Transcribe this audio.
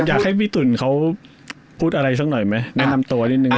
อยากให้พี่ตุ๋นเขาพูดอะไรสักหน่อยไหมแนะนำตัวนิดนึง